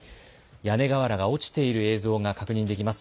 屋根瓦が落ちている映像が確認できます。